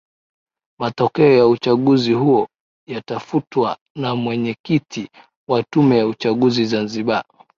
Matokeo ya uchaguzi huo yakafutwa na mwenyekiti wa tume ya uchaguzi Zanzibar